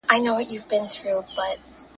پر بنده باندي هغه ګړی قیامت وي ,